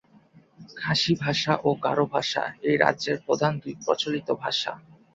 খাসি ভাষা ও গারো ভাষা এই রাজ্যের প্রধান দুই প্রচলিত ভাষা।